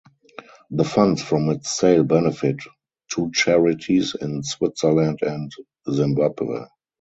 The funds from its sale benefited two charities in Switzerland and Zimbabwe.